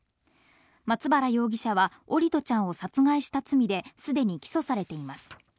松原容疑者は桜利斗ちゃんを殺害した罪ですでに起訴されています。